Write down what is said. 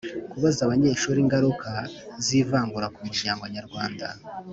Kubaza abanyeshuri ingaruka z’ivangura ku muryango nyarwanda